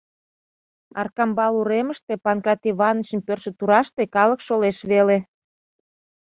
Аркамбал уремыште Панкрат Иванычын пӧртшӧ тураште калык шолеш веле.